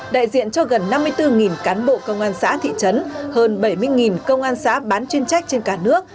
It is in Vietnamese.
đại diện cho gần năm mươi bốn cán bộ công an xã thị trấn hơn bảy mươi công an xã bán chuyên trách trên cả nước